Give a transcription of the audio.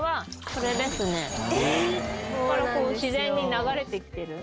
ここから自然に流れてきてる。